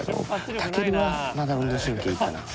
たけるはまだ運動神経がいいかな。